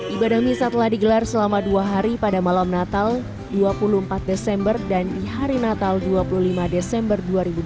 ibadah misa telah digelar selama dua hari pada malam natal dua puluh empat desember dan di hari natal dua puluh lima desember dua ribu dua puluh